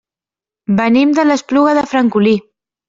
Venim de l'Espluga de Francolí.